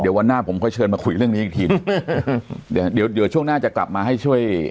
เดี๋ยววันหน้าผมค่อยเชิญมาคุยเรื่องนี้อีกทีหนึ่งเดี๋ยวเดี๋ยวช่วงหน้าจะกลับมาให้ช่วย